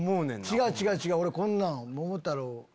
違う違う違う俺こんなん桃太郎。